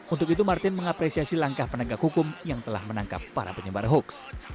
untuk itu martin mengapresiasi langkah penegak hukum yang telah menangkap para penyebar hoax